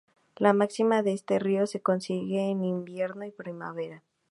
La máxima de este río se consigue en invierno y primavera.